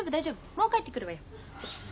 もう帰ってくるわよ。